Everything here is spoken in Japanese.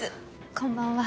こんばんは。